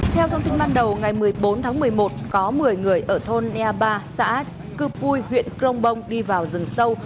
theo thông tin ban đầu ngày một mươi bốn tháng một mươi một có một mươi người ở thôn nea ba xã cư pui huyện crong bông đi vào rừng sâu